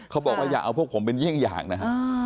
เขาบอกว่าอย่าเอาพวกผมเป็นเยี่ยงอย่างนะฮะ